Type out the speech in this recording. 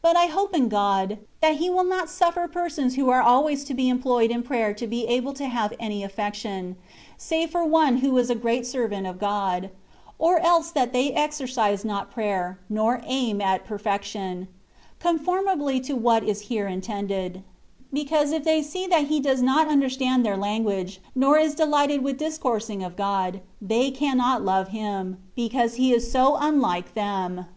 But I hope in God, that He will not suflfer persons who are always to be employed in prayer to be able to have any aflfection, save for one who is a great servant of God ; or else that they exercise not prayer, nor aim at perfection, conformably to what is here intended ; because if they see that he does not imderstand their lan guage, nor is delighted with discoursing of God^ they cannot love him, because he is so unlike 24 THE WAY OF PERFECTION. them.